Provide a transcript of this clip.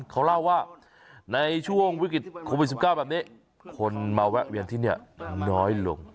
เขาเล่าว่าในช่วงวิกฤตโควิด๑๙แบบนี้คนมาแวะเวียนที่นี่น้อยลง